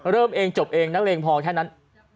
เริ่มเองจบเองนักเลงพอแค่นั้น